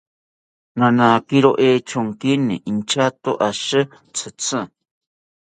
Nanakiro echonkini inchato ashi tzitzi